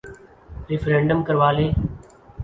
Referendum کروا لیں۔